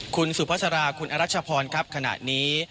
คุณสุภาษาราคุณอรัชพรครับขณะนี้